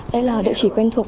đây là địa chỉ quen thuộc